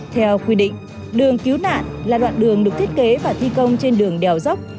theo quy định đường cứu nạn là đoạn đường được thiết kế và thi công trên đường đèo dốc